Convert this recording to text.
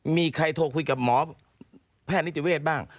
มีใครโทรคุยกับหมอแพทย์นิติเวศบ้าง